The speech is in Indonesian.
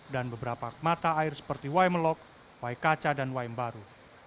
dan beberapa mata air seperti ymlok ykaca dan ymbaru